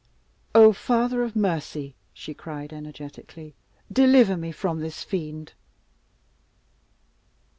"Oh, Father of Mercy!" she cried energetically, "deliver me from this fiend!"